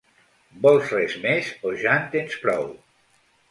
Vols res més o ja en tens prou?